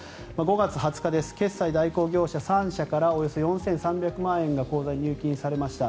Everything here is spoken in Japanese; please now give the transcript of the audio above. ５月２０日決済代行業者３社からおよそ４３００万円が口座に入金されました。